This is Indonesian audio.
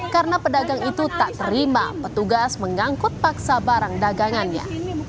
karena pedagang itu tak terima petugas mengangkut paksa barang dagangannya